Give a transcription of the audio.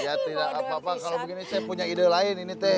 ya tidak apa apa kalau begini saya punya ide lain ini teh